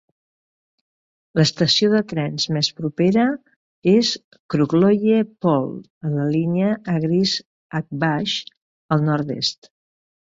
L'estació de trens més propera es Krugloye Pole, a la línia Agryz-Akbash, al nord-est.